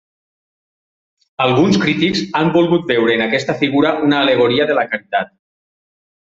Alguns crítics han volgut veure en aquesta figura una al·legoria de la Caritat.